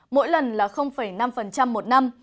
mỗi lần là năm một năm